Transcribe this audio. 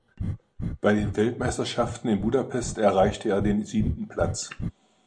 Bei den Weltmeisterschaften in Budapest erreichte er den siebten Platz.